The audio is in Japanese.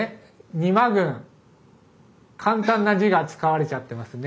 「仁万郡」簡単な字が使われちゃってますね。